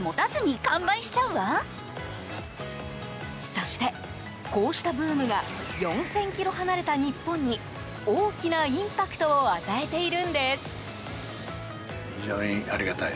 そして、こうしたブームが４０００ｋｍ離れた日本に大きなインパクトを与えているんです。